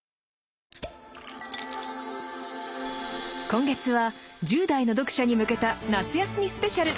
今月は１０代の読者に向けた夏休みスペシャル！